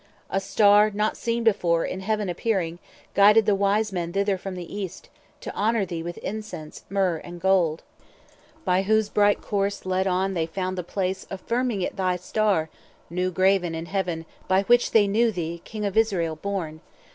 A Star, not seen before, in heaven appearing, Guided the Wise Men thither from the East, 250 To honour thee with incense, myrrh, and gold; By whose bright course led on they found the place, Affirming it thy star, new graven in heaven, By which they knew thee King of Israel born.